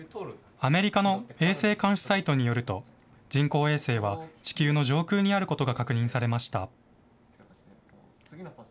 アメリカの衛星監視サイトによると、人工衛星は地球の上空にあることが確認されました。